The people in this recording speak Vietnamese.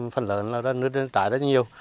phần lớn là nứt trái rất là nhiều